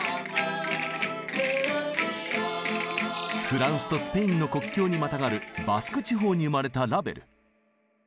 フランスとスペインの国境にまたがるバスク地方に生まれたラヴェル。